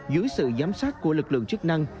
dưới sự giám sát của lực lượng chức năng